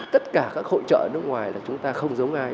tất cả các hội trợ ở nước ngoài là chúng ta không giống ai